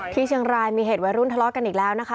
ที่เชียงรายมีเหตุวัยรุ่นทะเลาะกันอีกแล้วนะคะ